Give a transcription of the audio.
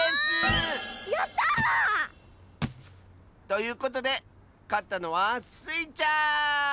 ああやった！ということでかったのはスイちゃん！